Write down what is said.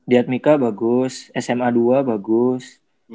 diatmika bagus sma dua bagus